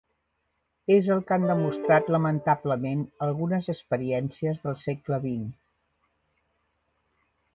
És el que han demostrat lamentablement algunes experiències del segle vint.